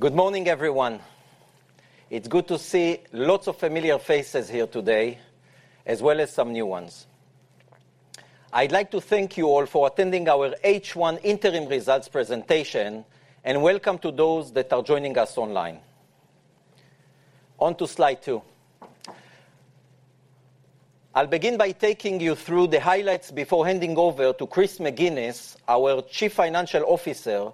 Good morning, everyone. It's good to see lots of familiar faces here today, as well as some new ones. I'd like to thank you all for attending our H1 interim results presentation, and welcome to those that are joining us online. On to Slide two. I'll begin by taking you through the highlights before handing over to Chris McGinnis, our Chief Financial Officer,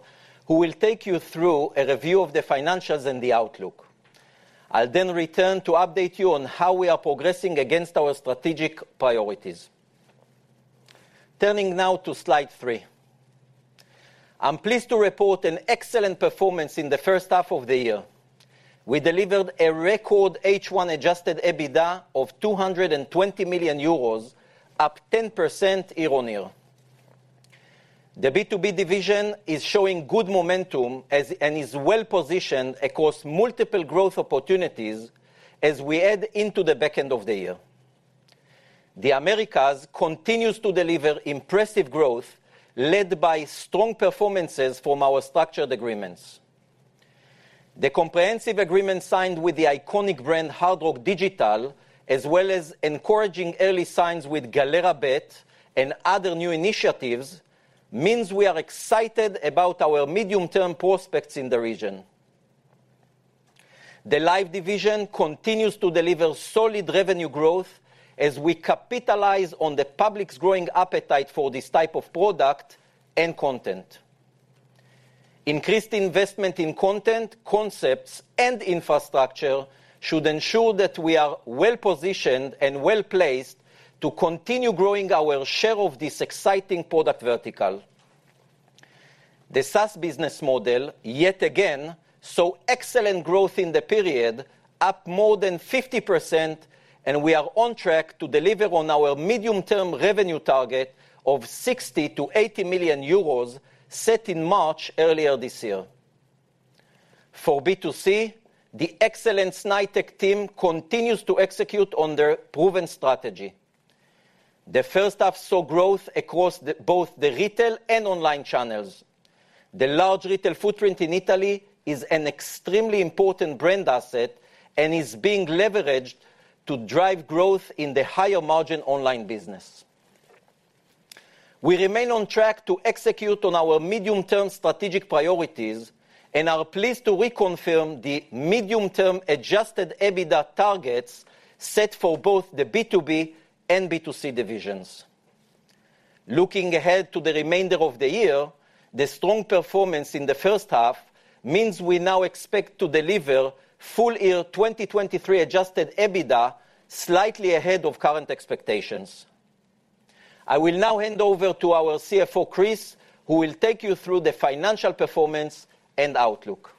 who will take you through a review of the financials and the outlook. I'll then return to update you on how we are progressing against our strategic priorities. Turning now to Slide three. I'm pleased to report an excellent performance in the first half of the year. We delivered a record H1 Adjusted EBITDA of 220 million euros, up 10% year-on-year. The B2B division is showing good momentum as and is well-positioned across multiple growth opportunities as we head into the back end of the year. The Americas continues to deliver impressive growth, led by strong performances from our structured agreements. The comprehensive agreement signed with the iconic brand Hard Rock Digital, as well as encouraging early signs with Galera.bet and other new initiatives, means we are excited about our medium-term prospects in the region. The Live division continues to deliver solid revenue growth as we capitalize on the public's growing appetite for this type of product and content. Increased investment in content, concepts, and infrastructure should ensure that we are well-positioned and well-placed to continue growing our share of this exciting product vertical. The SaaS business model, yet again, saw excellent growth in the period, up more than 50%, and we are on track to deliver on our medium-term revenue target of 60-80 million euros, set in March earlier this year. For B2C, the excellent Snaitech team continues to execute on their proven strategy. The first half saw growth across both the retail and online channels. The large retail footprint in Italy is an extremely important brand asset and is being leveraged to drive growth in the higher-margin online business. We remain on track to execute on our medium-term strategic priorities and are pleased to reconfirm the medium-term adjusted EBITDA targets set for both the B2B and B2C divisions. Looking ahead to the remainder of the year, the strong performance in the first half means we now expect to deliver full-year 2023 Adjusted EBITDA slightly ahead of current expectations. I will now hand over to our CFO, Chris, who will take you through the financial performance and outlook.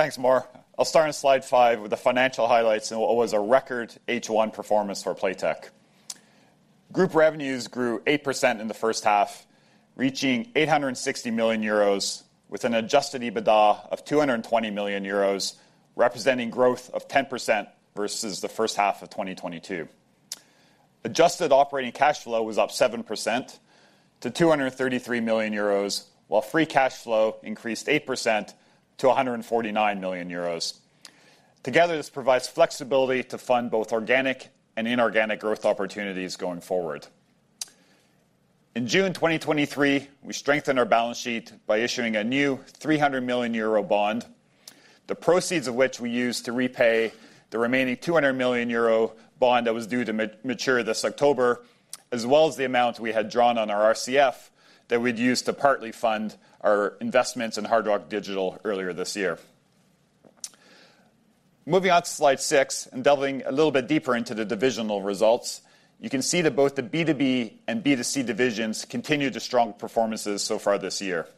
Thanks, Mor. I'll start on Slide 5 with the financial highlights and what was a record H1 performance for Playtech. Group revenues grew 8% in the first half, reaching 860 million euros, with an adjusted EBITDA of 220 million euros, representing growth of 10% versus the first half of 2022. Adjusted operating cash flow was up 7% to 233 million euros, while free cash flow increased 8% to 149 million euros. Together, this provides flexibility to fund both organic and inorganic growth opportunities going forward. In June 2023, we strengthened our balance sheet by issuing a new 300 million euro bond, the proceeds of which we used to repay the remaining 200 million euro bond that was due to mature this October, as well as the amount we had drawn on our RCF that we'd used to partly fund our investments in Hard Rock Digital earlier this year. Moving on to Slide 6, and delving a little bit deeper into the divisional results, you can see that both the B2B and B2C divisions continued the strong performances so far this year.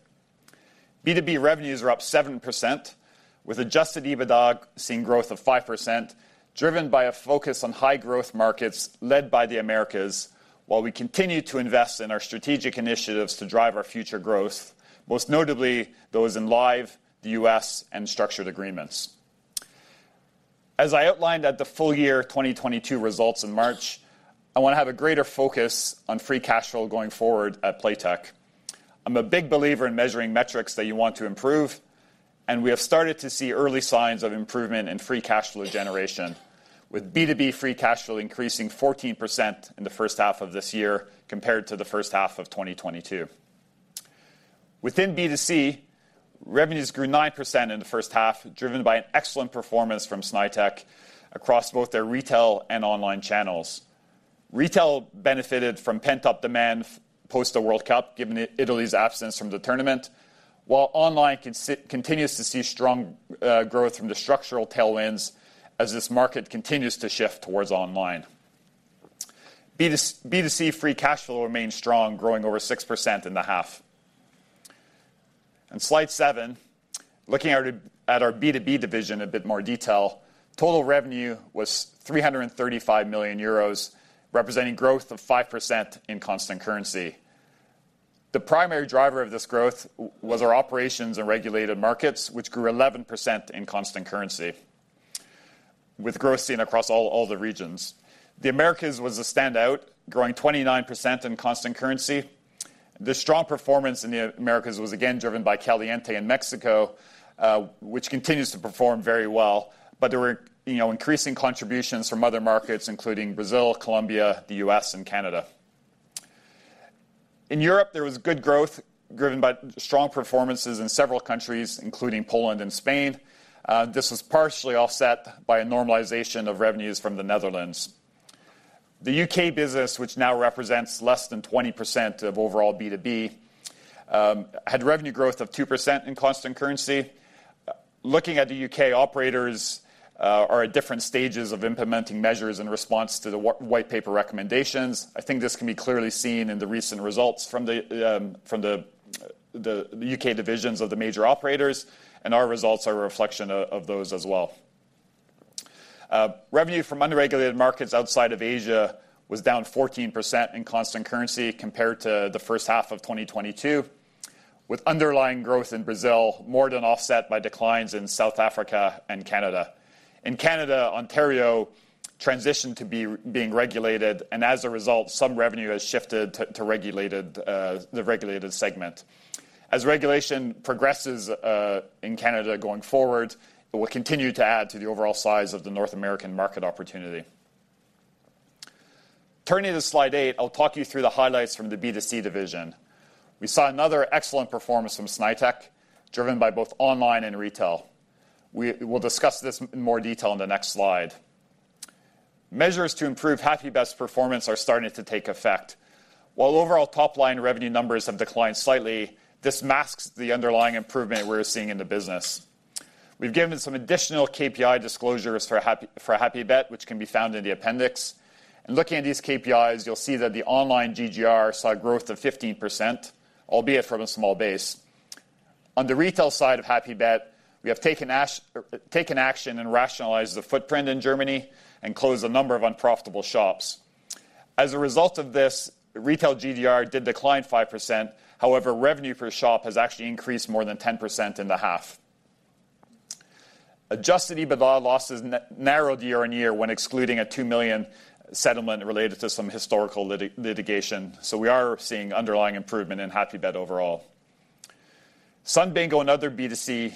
B2B revenues are up 7%, with adjusted EBITDA seeing growth of 5%, driven by a focus on high-growth markets led by the Americas, while we continue to invest in our strategic initiatives to drive our future growth, most notably those in Live, the U.S., and structured agreements. As I outlined at the full year 2022 results in March, I want to have a greater focus on free cash flow going forward at Playtech. I'm a big believer in measuring metrics that you want to improve, and we have started to see early signs of improvement in free cash flow generation, with B2B free cash flow increasing 14% in the first half of this year compared to the first half of 2022. Within B2C, revenues grew 9% in the first half, driven by an excellent performance from Snaitech across both their retail and online channels. Retail benefited from pent-up demand post the World Cup, given Italy's absence from the tournament, while online continues to see strong growth from the structural tailwinds as this market continues to shift towards online. B2C free cash flow remains strong, growing over 6% in the half. On Slide 7, looking at our B2B division in a bit more detail, total revenue was 335 million euros, representing growth of 5% in constant currency. The primary driver of this growth was our operations in regulated markets, which grew 11% in constant currency, with growth seen across all the regions. The Americas was a standout, growing 29% in constant currency. The strong performance in the Americas was again driven by Caliente in Mexico, which continues to perform very well. But there were increasing contributions from other markets, including Brazil, Colombia, the U.S., and Canada. In Europe, there was good growth driven by strong performances in several countries, including Poland and Spain. This was partially offset by a normalization of revenues from the Netherlands. The UK business, which now represents less than 20% of overall B2B, had revenue growth of 2% in constant currency. Looking at the UK operators are at different stages of implementing measures in response to the white paper recommendations. I think this can be clearly seen in the recent results from the UK divisions of the major operators, and our results are a reflection of those as well. Revenue from unregulated markets outside of Asia was down 14% in constant currency compared to the first half of 2022, with underlying growth in Brazil more than offset by declines in South Africa and Canada. In Canada, Ontario transitioned to being regulated, and as a result, some revenue has shifted to the regulated segment. As regulation progresses in Canada going forward, it will continue to add to the overall size of the North American market opportunity. Turning to slide 8, I'll talk you through the highlights from the B2C division. We saw another excellent performance from Snaitech, driven by both online and retail. We will discuss this in more detail in the next slide. Measures to improve HAPPYBET performance are starting to take effect. While overall top-line revenue numbers have declined slightly, this masks the underlying improvement we're seeing in the business. We've given some additional KPI disclosures for HAPPYBET, which can be found in the appendix. Looking at these KPIs, you'll see that the online GGR saw growth of 15%, albeit from a small base. On the retail side of HAPPYBET, we have taken action and rationalized the footprint in Germany and closed a number of unprofitable shops. As a result of this, retail GGR did decline 5%. However, revenue per shop has actually increased more than 10% in the half. Adjusted EBITDA losses narrowed year-over-year when excluding a 2 million settlement related to some historical litigation. So we are seeing underlying improvement in HAPPYBET overall. Sun Bingo and other B2C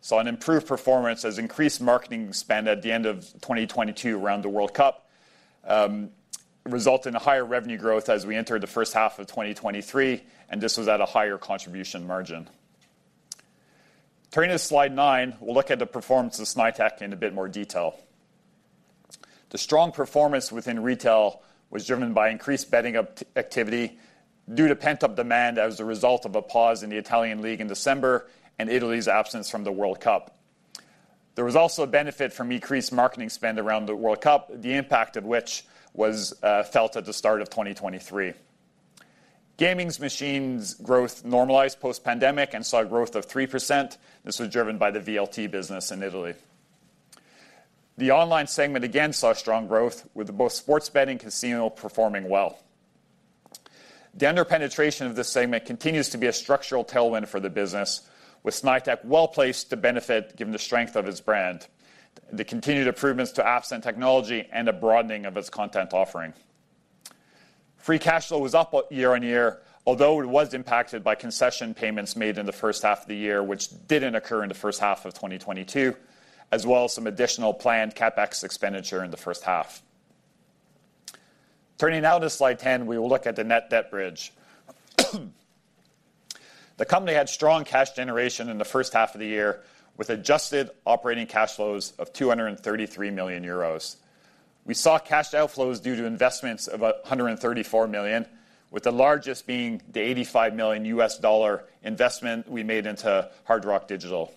saw an improved performance as increased marketing spend at the end of 2022 around the World Cup result in a higher revenue growth as we entered the first half of 2023, and this was at a higher contribution margin. Turning to slide 9, we'll look at the performance of Snaitech in a bit more detail. The strong performance within retail was driven by increased betting activity due to pent-up demand as a result of a pause in the Italian League in December and Italy's absence from the World Cup. There was also a benefit from increased marketing spend around the World Cup, the impact of which was felt at the start of 2023. Gaming machines growth normalized post-pandemic and saw a growth of 3%. This was driven by the VLT business in Italy. The online segment again saw strong growth with both sports betting and casino performing well. The under-penetration of this segment continues to be a structural tailwind for the business, with Snaitech well-placed to benefit, given the strength of its brand, the continued improvements to apps and technology, and a broadening of its content offering. Free cash flow was up year-on-year, although it was impacted by concession payments made in the first half of the year, which didn't occur in the first half of 2022, as well as some additional planned CapEx expenditure in the first half. Turning now to slide 10, we will look at the net debt bridge. The company had strong cash generation in the first half of the year, with adjusted operating cash flows of 233 million euros. We saw cash outflows due to investments of 134 million, with the largest being the $85 million investment we made into Hard Rock Digital.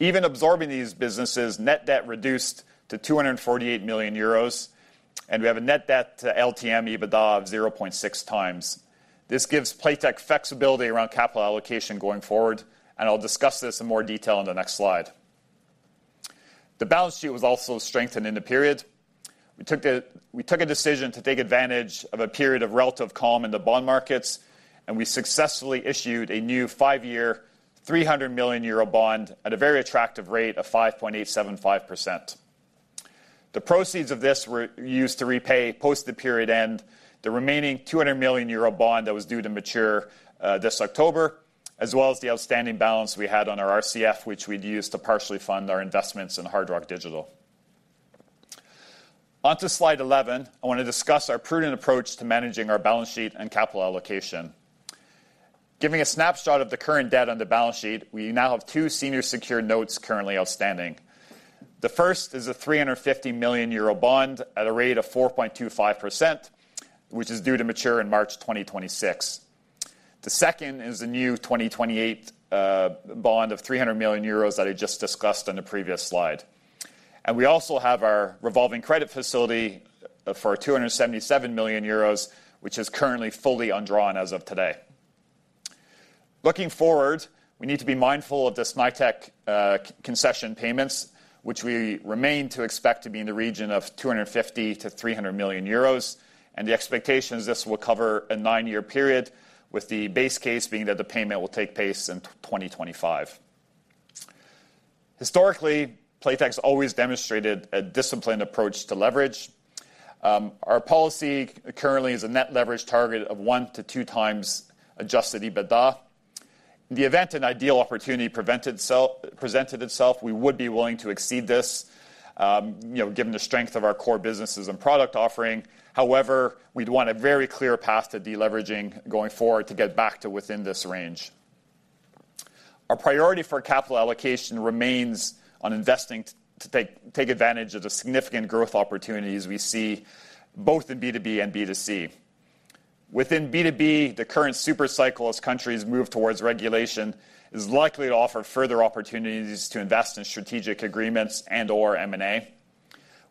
Even absorbing these businesses, net debt reduced to 248 million euros, and we have a net debt to LTM EBITDA of 0.6 times. This gives Playtech flexibility around capital allocation going forward, and I'll discuss this in more detail in the next slide. The balance sheet was also strengthened in the period. We took a decision to take advantage of a period of relative calm in the bond markets, and we successfully issued a new five-year, 300 million euro bond at a very attractive rate of 5.875%. The proceeds of this were used to repay, post the period end, the remaining 200 million euro bond that was due to mature this October, as well as the outstanding balance we had on our RCF, which we'd use to partially fund our investments in Hard Rock Digital. Onto slide 11, I want to discuss our prudent approach to managing our balance sheet and capital allocation. Giving a snapshot of the current debt on the balance sheet, we now have two senior secured notes currently outstanding. The first is a 350 million euro bond at a rate of 4.25%, which is due to mature in March 2026. The second is a new 2028 bond of 300 million euros that I just discussed on the previous slide. And we also have our revolving credit facility for 277 million euros, which is currently fully undrawn as of today. Looking forward, we need to be mindful of the Snaitech concession payments, which we remain to expect to be in the region of 250 million-300 million euros, and the expectation is this will cover a nine year period, with the base case being that the payment will take place in 2025. Historically, Playtech's always demonstrated a disciplined approach to leverage. Our policy currently is a net leverage target of one-two times Adjusted EBITDA. In the event an ideal opportunity presented itself, we would be willing to exceed this given the strength of our core businesses and product offering. However, we'd want a very clear path to deleveraging going forward to get back to within this range. Our priority for capital allocation remains on investing to take advantage of the significant growth opportunities we see both in B2B and B2C. Within B2B, the current super cycle, as countries move towards regulation, is likely to offer further opportunities to invest in strategic agreements and/or M&A.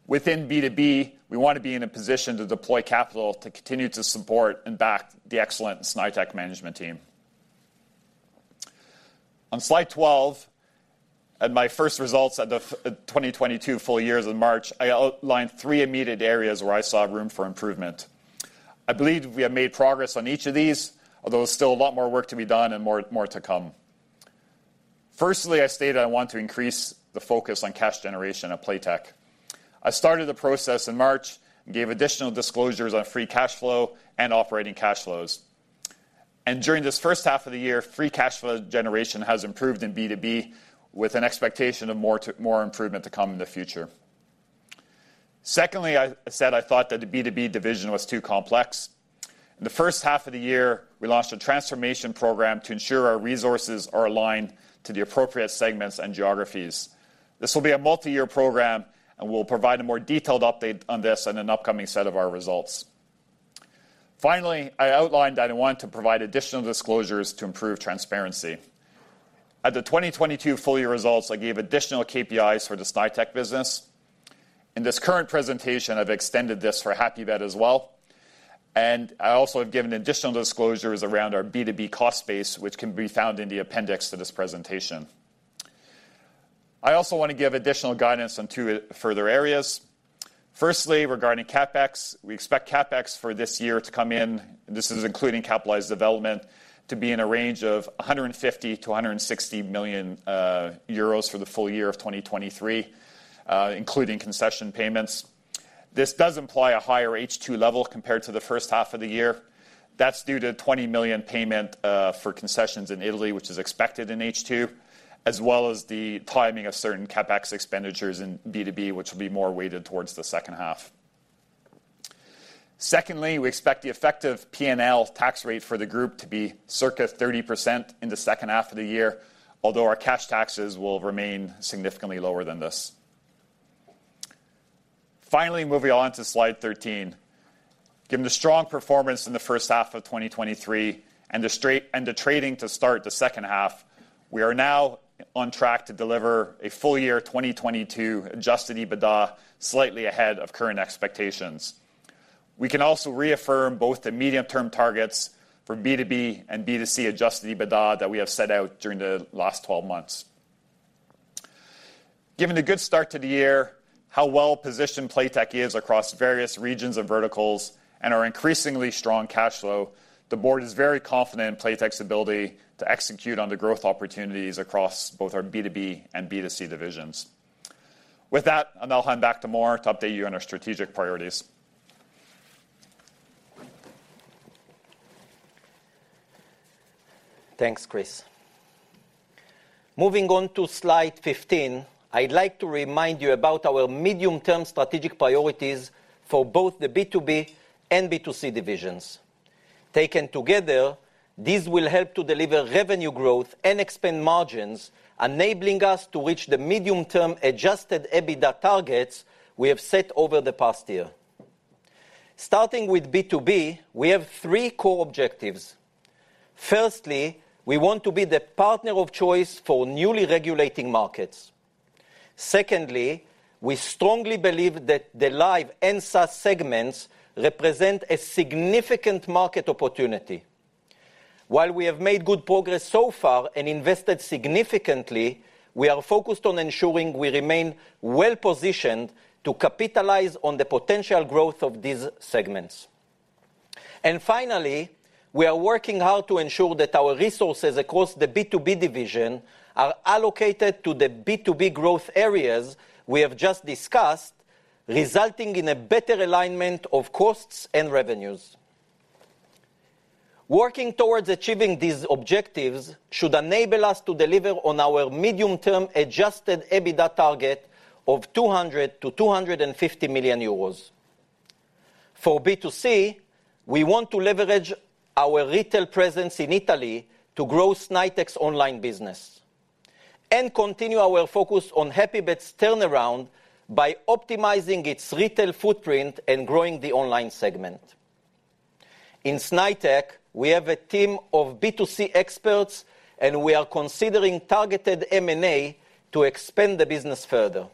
Within B2B, we want to be in a position to deploy capital to continue to support and back the excellent Snaitech management team. On slide 12, at my first results at the 2022 full year in March, I outlined three immediate areas where I saw room for improvement. I believe we have made progress on each of these, although there's still a lot more work to be done and more to come. Firstly, I stated I want to increase the focus on cash generation at Playtech. I started the process in March and gave additional disclosures on free cash flow and operating cash flows. During this first half of the year, free cash flow generation has improved in B2B, with an expectation of more improvement to come in the future. Secondly, I said I thought that the B2B division was too complex. In the first half of the year, we launched a transformation program to ensure our resources are aligned to the appropriate segments and geographies. This will be a multi-year program, and we'll provide a more detailed update on this in an upcoming set of our results. Finally, I outlined that I want to provide additional disclosures to improve transparency. At the 2022 full year results, I gave additional KPIs for the Snaitech business. In this current presentation, I've extended this for HAPPYBET as well, and I also have given additional disclosures around our B2B cost base, which can be found in the appendix to this presentation. I also want to give additional guidance on two further areas. Firstly, regarding CapEx, we expect CapEx for this year to come in, this is including capitalized development, to be in a range of 150-160 million euros for the full year of 2023, including concession payments. This does imply a higher H2 level compared to the first half of the year. That's due to 20 million payment for concessions in Italy, which is expected in H2, as well as the timing of certain CapEx expenditures in B2B, which will be more weighted towards the second half. Secondly, we expect the effective P&L tax rate for the group to be circa 30% in the second half of the year, although our cash taxes will remain significantly lower than this. Finally, moving on to slide 13. Given the strong performance in the first half of 2023 and the straight- and the trading to start the second half, we are now on track to deliver a full year 2022 adjusted EBITDA slightly ahead of current expectations. We can also reaffirm both the medium-term targets for B2B and B2C adjusted EBITDA that we have set out during the last twelve months. Given the good start to the year, how well-positioned Playtech is across various regions and verticals, and our increasingly strong cash flow, the board is very confident in Playtech's ability to execute on the growth opportunities across both our B2B and B2C divisions. With that, I'll hand back to Mor to update you on our strategic priorities. Thanks, Chris. Moving on to slide 15, I'd like to remind you about our medium-term strategic priorities for both the B2B and B2C divisions. Taken together, these will help to deliver revenue growth and expand margins, enabling us to reach the medium-term Adjusted EBITDA targets we have set over the past year. Starting with B2B, we have three core objectives. Firstly, we want to be the partner of choice for newly regulating markets. Secondly, we strongly believe that the Live and SaaS segments represent a significant market opportunity. While we have made good progress so far and invested significantly, we are focused on ensuring we remain well positioned to capitalize on the potential growth of these segments. Finally, we are working hard to ensure that our resources across the B2B division are allocated to the B2B growth areas we have just discussed, resulting in a better alignment of costs and revenues. Working towards achieving these objectives should enable us to deliver on our medium-term Adjusted EBITDA target of 200 million-250 million euros. For B2C, we want to leverage our retail presence in Italy to grow Snaitech's online business and continue our focus on HAPPYBET's turnaround by optimizing its retail footprint and growing the online segment. In Snaitech, we have a team of B2C experts, and we are considering targeted M&A to expand the business further.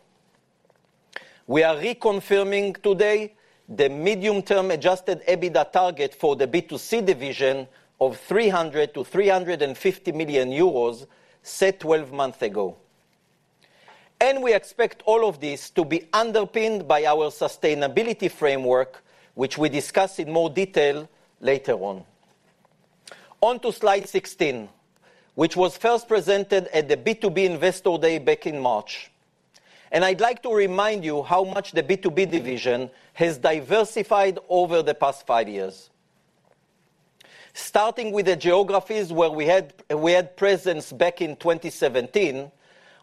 We are reconfirming today the medium-term Adjusted EBITDA target for the B2C division of 300 million-350 million euros set 12 months ago. We expect all of this to be underpinned by our sustainability framework, which we discuss in more detail later on. On to slide 16, which was first presented at the B2B Investor Day back in March. I'd like to remind you how much the B2B division has diversified over the past five years. Starting with the geographies where we had presence back in 2017,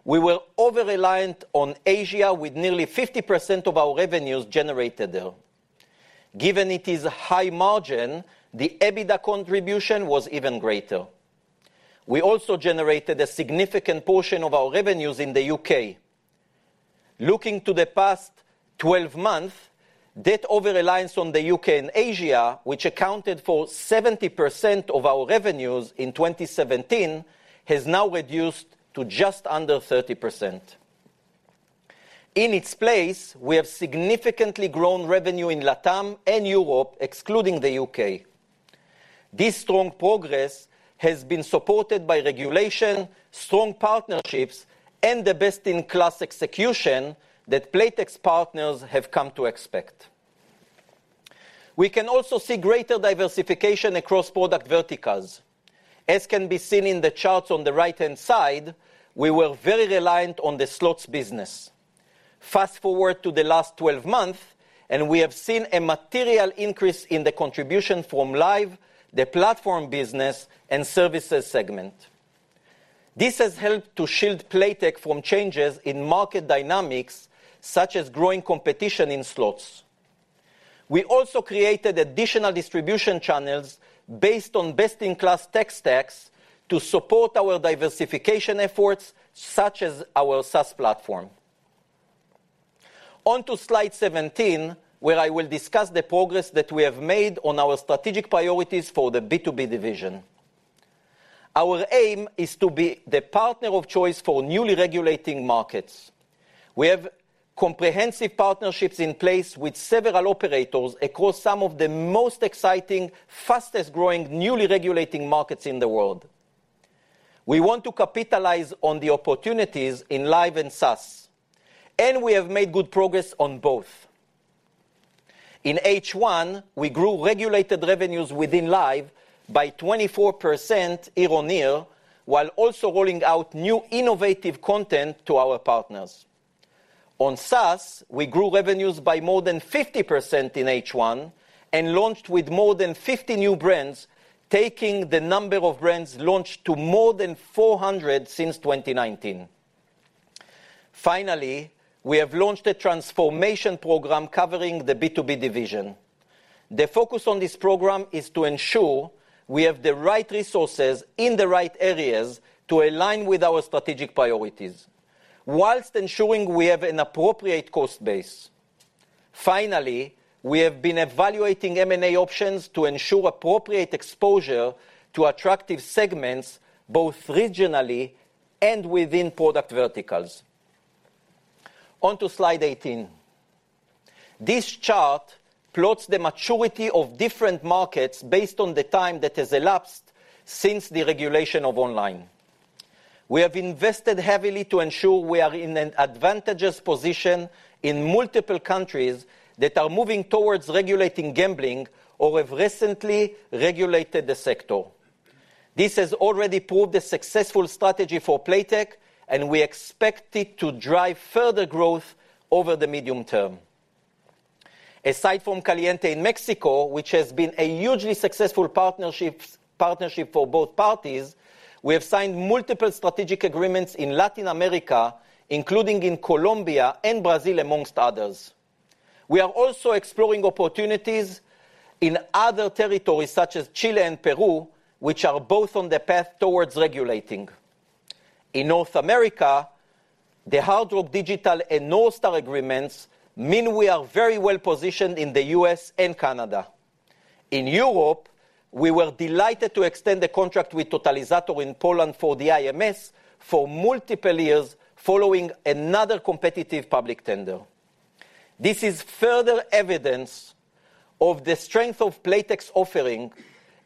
we were over-reliant on Asia, with nearly 50% of our revenues generated there. Given it is a high margin, the EBITDA contribution was even greater. We also generated a significant portion of our revenues in the UK. Looking to the past 12 months, that over-reliance on the UK and Asia, which accounted for 70% of our revenues in 2017, has now reduced to just under 30%. In its place, we have significantly grown revenue in LATAM and Europe, excluding the UK. This strong progress has been supported by regulation, strong partnerships, and the best-in-class execution that Playtech's partners have come to expect. We can also see greater diversification across product verticals. As can be seen in the charts on the right-hand side, we were very reliant on the slots business. Fast-forward to the last 12 months, and we have seen a material increase in the contribution from Live, the platform business, and services segment. This has helped to shield Playtech from changes in market dynamics, such as growing competition in slots. We also created additional distribution channels based on best-in-class tech stacks to support our diversification efforts, such as our SaaS platform. On to slide 17, where I will discuss the progress that we have made on our strategic priorities for the B2B division. Our aim is to be the partner of choice for newly regulating markets. We have comprehensive partnerships in place with several operators across some of the most exciting, fastest-growing, newly regulating markets in the world. We want to capitalize on the opportunities in Live and SaaS, and we have made good progress on both. In H1, we grew regulated revenues within Live by 24% year-on-year, while also rolling out new innovative content to our partners. On SaaS, we grew revenues by more than 50% in H1 and launched with more than 50 new brands, taking the number of brands launched to more than 400 since 2019. Finally, we have launched a transformation program covering the B2B division. The focus on this program is to ensure we have the right resources in the right areas to align with our strategic priorities, while ensuring we have an appropriate cost base. Finally, we have been evaluating M&A options to ensure appropriate exposure to attractive segments, both regionally and within product verticals. On to slide 18. This chart plots the maturity of different markets based on the time that has elapsed since the regulation of online. We have invested heavily to ensure we are in an advantageous position in multiple countries that are moving towards regulating gambling or have recently regulated the sector. This has already proved a successful strategy for Playtech, and we expect it to drive further growth over the medium term. Aside from Caliente in Mexico, which has been a hugely successful partnership for both parties, we have signed multiple strategic agreements in Latin America, including in Colombia and Brazil, among others. We are also exploring opportunities in other territories, such as Chile and Peru, which are both on the path towards regulating. In North America, the Hard Rock Digital and NorthStar agreements mean we are very well positioned in the U.S. and Canada. In Europe, we were delighted to extend the contract with Totalizator in Poland for the IMS for multiple years following another competitive public tender. This is further evidence of the strength of Playtech's offering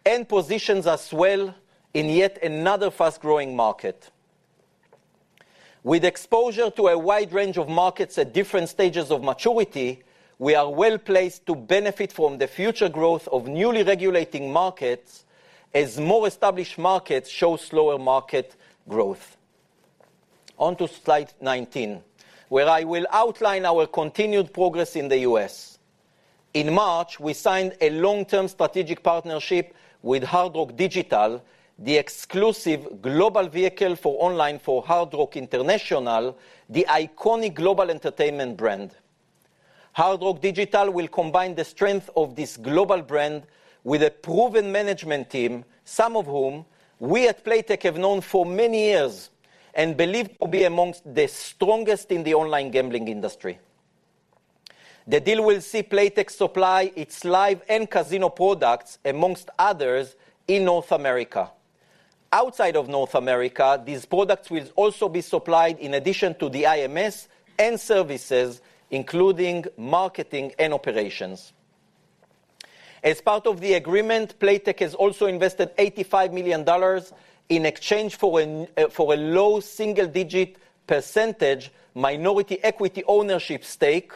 and positions us well in yet another fast-growing market. With exposure to a wide range of markets at different stages of maturity, we are well placed to benefit from the future growth of newly regulating markets as more established markets show slower market growth. On to slide 19, where I will outline our continued progress in the U.S. In March, we signed a long-term strategic partnership with Hard Rock Digital, the exclusive global vehicle for online for Hard Rock International, the iconic global entertainment brand. Hard Rock Digital will combine the strength of this global brand with a proven management team, some of whom we at Playtech have known for many years and believe to be amongst the strongest in the online gambling industry. The deal will see Playtech supply its Live and casino products, amongst others, in North America. Outside of North America, these products will also be supplied in addition to the IMS and services, including marketing and operations. As part of the agreement, Playtech has also invested $85 million in exchange for a low single-digit percentage minority equity ownership stake,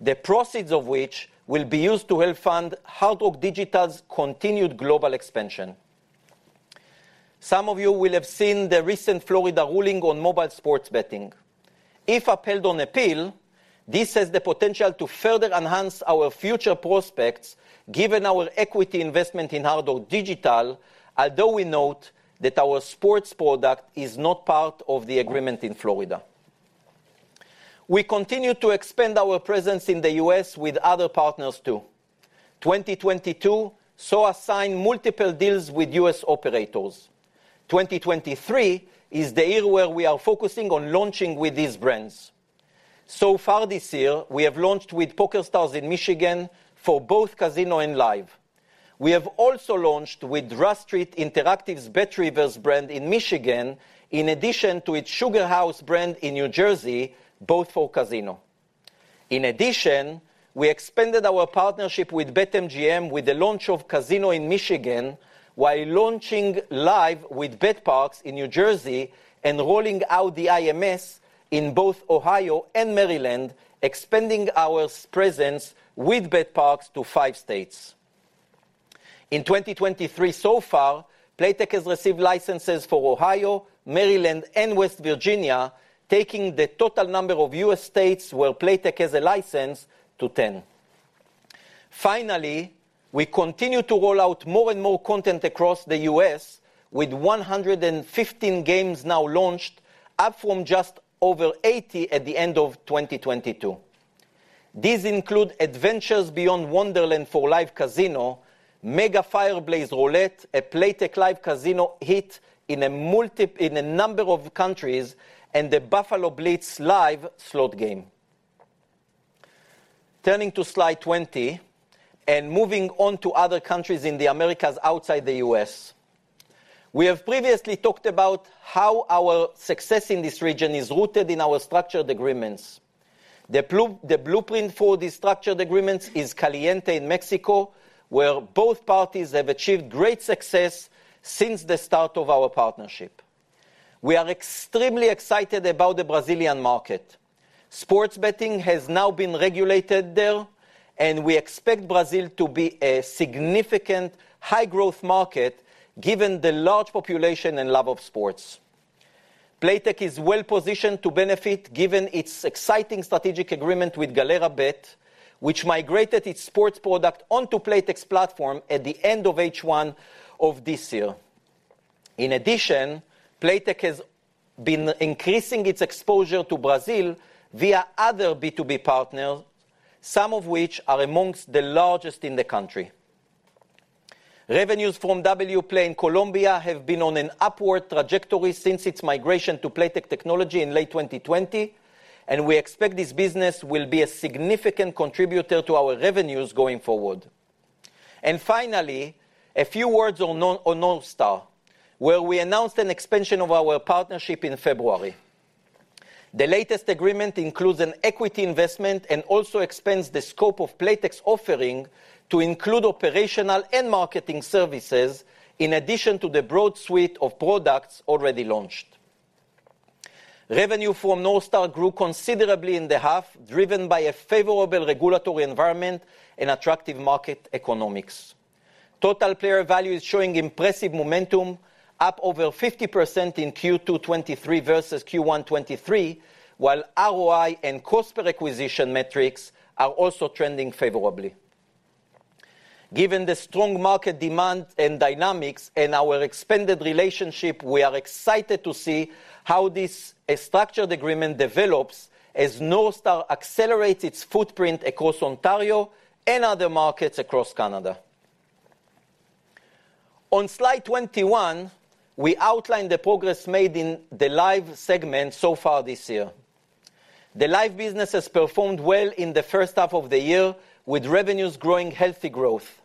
the proceeds of which will be used to help fund Hard Rock Digital's continued global expansion. Some of you will have seen the recent Florida ruling on mobile sports betting. If upheld on appeal, this has the potential to further enhance our future prospects, given our equity investment in Hard Rock Digital, although we note that our sports product is not part of the agreement in Florida. We continue to expand our presence in the U.S. with other partners, too. 2022 saw us sign multiple deals with U.S. operators. 2023 is the year where we are focusing on launching with these brands. So far this year, we have launched with PokerStars in Michigan for both casino and Live. We have also launched with Rush Street Interactive's BetRivers brand in Michigan, in addition to its SugarHouse brand in New Jersey, both for casino. In addition, we expanded our partnership with BetMGM with the launch of casino in Michigan, while launching Live with betPARX in New Jersey and rolling out the IMS in both Ohio and Maryland, expanding our presence with betPARX to 5 states. In 2023 so far, Playtech has received licenses for Ohio, Maryland, and West Virginia, taking the total number of U.S. states where Playtech has a license to 10. Finally, we continue to roll out more and more content across the U.S., with 115 games now launched, up from just over 80 at the end of 2022. These include Adventures Beyond Wonderland for Live Casino, Mega Fire Blaze Roulette, a Playtech Live Casino hit in a number of countries, and the Buffalo Blitz Live slot game. Turning to Slide 20 and moving on to other countries in the Americas outside the U.S. We have previously talked about how our success in this region is rooted in our structured agreements. The blueprint for these structured agreements is Caliente in Mexico, where both parties have achieved great success since the start of our partnership. We are extremely excited about the Brazilian market. Sports betting has now been regulated there, and we expect Brazil to be a significant high-growth market, given the large population and love of sports. Playtech is well positioned to benefit, given its exciting strategic agreement with Galera Bet, which migrated its sports product onto Playtech's platform at the end of H1 of this year. In addition, Playtech has been increasing its exposure to Brazil via other B2B partners, some of which are among the largest in the country. Revenues from Wplay in Colombia have been on an upward trajectory since its migration to Playtech technology in late 2020, and we expect this business will be a significant contributor to our revenues going forward. And finally, a few words on Northstar, where we announced an expansion of our partnership in February. The latest agreement includes an equity investment and also expands the scope of Playtech's offering to include operational and marketing services, in addition to the broad suite of products already launched. Revenue from Northstar grew considerably in the half, driven by a favorable regulatory environment and attractive market economics. Total player value is showing impressive momentum, up over 50% in Q2 2023 versus Q1 2023, while ROI and cost per acquisition metrics are also trending favorably. Given the strong market demand and dynamics and our expanded relationship, we are excited to see how this structured agreement develops as Northstar accelerates its footprint across Ontario and other markets across Canada. On Slide 21, we outline the progress made in the Live segment so far this year. The Live business has performed well in the first half of the year, with revenues growing healthy growth.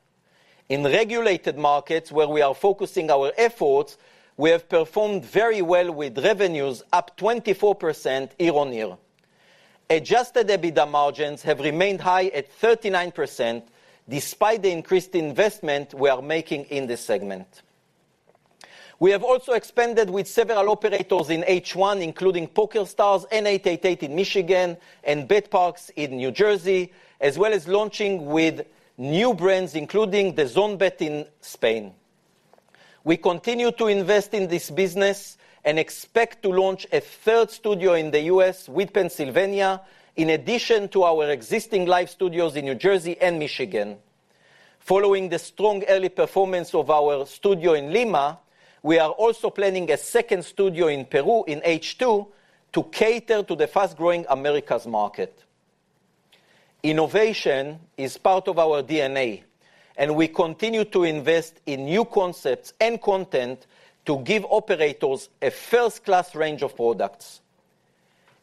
In regulated markets, where we are focusing our efforts, we have performed very well, with revenues up 24% year-on-year. Adjusted EBITDA margins have remained high at 39%, despite the increased investment we are making in this segment. We have also expanded with several operators in H1, including PokerStars and 888 in Michigan and betPARX in New Jersey, as well as launching with new brands, including DAZN Bet in Spain. We continue to invest in this business and expect to launch a third studio in the U.S. with Pennsylvania, in addition to our existing Live studios in New Jersey and Michigan. Following the strong early performance of our studio in Lima, we are also planning a second studio in Peru in H2 to cater to the fast-growing Americas market. Innovation is part of our DNA, and we continue to invest in new concepts and content to give operators a first-class range of products.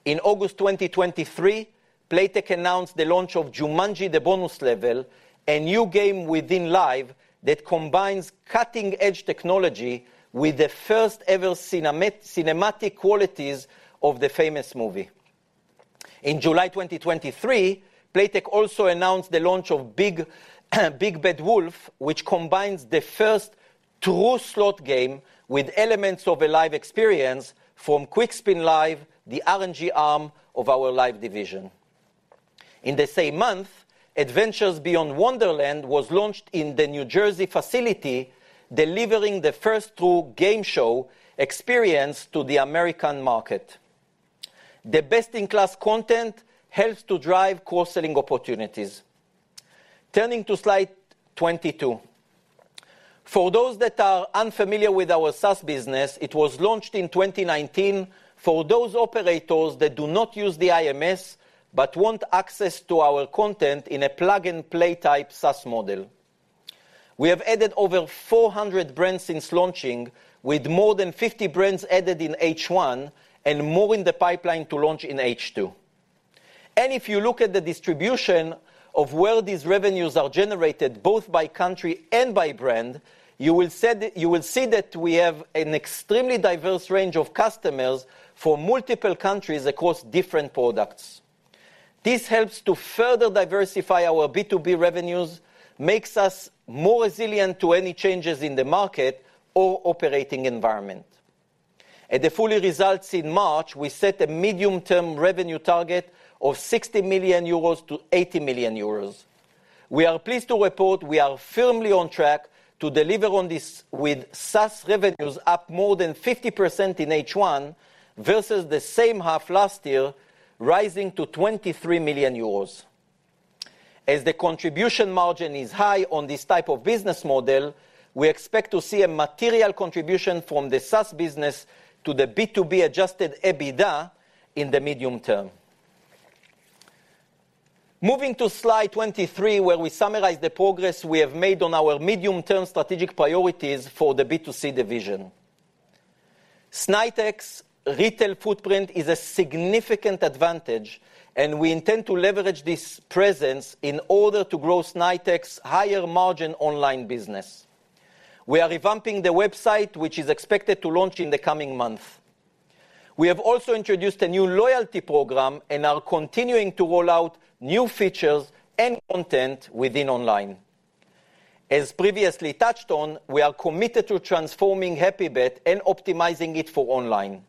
In August 2023, Playtech announced the launch of Jumanji: The Bonus Level, a new game within Live that combines cutting-edge technology with the first-ever cinematic qualities of the famous movie. In July 2023, Playtech also announced the launch of Big Bad Wolf Live, which combines the first true slot game with elements of a Live experience from Quickspin Live, the RNG arm of our Live division. In the same month, Adventures Beyond Wonderland was launched in the New Jersey facility, delivering the first true game show experience to the American market. The best-in-class content helps to drive cross-selling opportunities. Turning to Slide 22. For those that are unfamiliar with our SaaS business, it was launched in 2019 for those operators that do not use the IMS, but want access to our content in a plug-and-play type SaaS model. We have added over 400 brands since launching, with more than 50 brands added in H1, and more in the pipeline to launch in H2. If you look at the distribution of where these revenues are generated, both by country and by brand, you will see that we have an extremely diverse range of customers from multiple countries across different products. This helps to further diversify our B2B revenues, makes us more resilient to any changes in the market or operating environment. At the full-year results in March, we set a medium-term revenue target of 60 million-80 million euros. We are pleased to report we are firmly on track to deliver on this, with SaaS revenues up more than 50% in H1 versus the same half last year, rising to 23 million euros. As the contribution margin is high on this type of business model, we expect to see a material contribution from the SaaS business to the B2B Adjusted EBITDA in the medium term. Moving to Slide 23, where we summarize the progress we have made on our medium-term strategic priorities for the B2C division. Snaitech's retail footprint is a significant advantage, and we intend to leverage this presence in order to grow Snaitech's higher-margin online business. We are revamping the website, which is expected to launch in the coming month. We have also introduced a new loyalty program and are continuing to roll out new features and content within online. As previously touched on, we are committed to transforming HAPPYBET and optimizing it for online.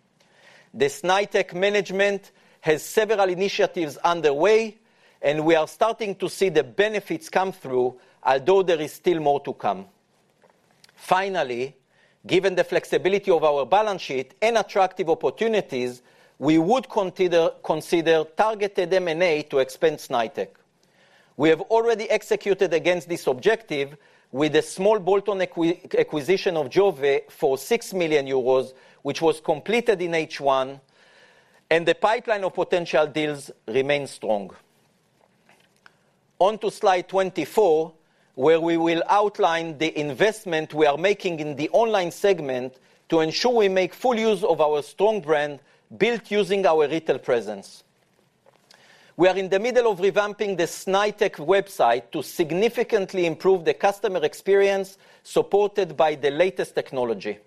The Snaitech management has several initiatives underway, and we are starting to see the benefits come through, although there is still more to come. Finally, given the flexibility of our balance sheet and attractive opportunities, we would consider targeted M&A to expand Snaitech. We have already executed against this objective with a small bolt-on acquisition of Giove for 6 million euros, which was completed in H1, and the pipeline of potential deals remains strong. On to Slide 24, where we will outline the investment we are making in the online segment to ensure we make full use of our strong brand, built using our retail presence. We are in the middle of revamping the Snaitech website to significantly improve the customer experience, supported by the latest technology.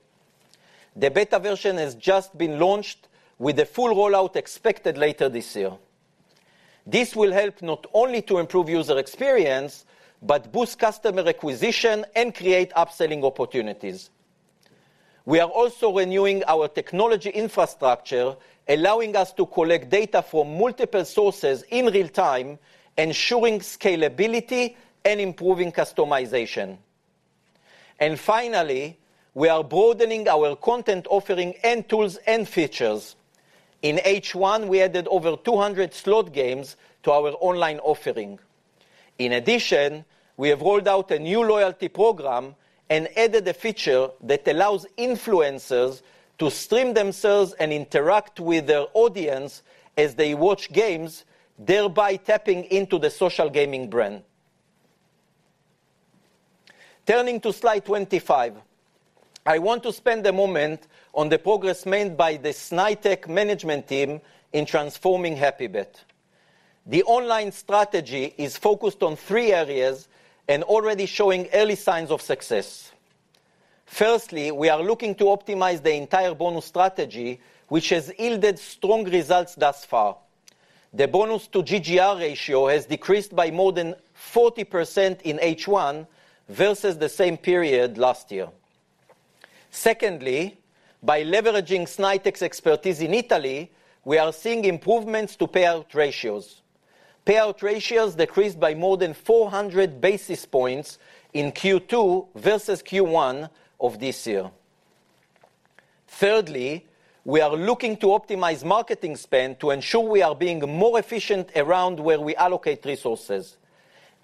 The beta version has just been launched, with the full rollout expected later this year. This will help not only to improve user experience, but boost customer acquisition and create upselling opportunities. We are also renewing our technology infrastructure, allowing us to collect data from multiple sources in real time, ensuring scalability and improving customization. And finally, we are broadening our content offering and tools and features. In H1, we added over 200 slot games to our online offering. In addition, we have rolled out a new loyalty program and added a feature that allows influencers to stream themselves and interact with their audience as they watch games, thereby tapping into the social gaming brand. Turning to Slide 25. I want to spend a moment on the progress made by the Snaitech management team in transforming HAPPYBET. The online strategy is focused on three areas and already showing early signs of success. Firstly, we are looking to optimize the entire bonus strategy, which has yielded strong results thus far. The bonus to GGR ratio has decreased by more than 40% in H1 versus the same period last year. Secondly, by leveraging Snaitech's expertise in Italy, we are seeing improvements to payout ratios. Payout ratios decreased by more than 400 basis points in Q2 versus Q1 of this year. Thirdly, we are looking to optimize marketing spend to ensure we are being more efficient around where we allocate resources.